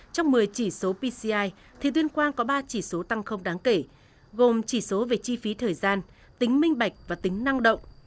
trong một mươi chỉ số pci thì tuyên quang có ba chỉ số tăng không đáng kể gồm chỉ số về chi phí thời gian tính minh bạch và tính năng động